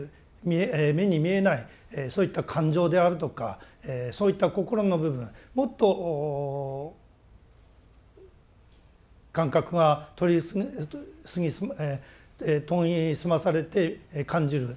そういった感情であるとかそういった心の部分もっと感覚が研ぎ澄まされて感じる。